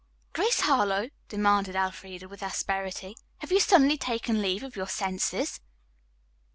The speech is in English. "Grace Harlowe," demanded Elfreda with asperity, "have you suddenly taken leave of your senses?"